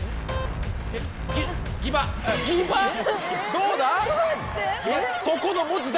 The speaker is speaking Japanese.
どうだ？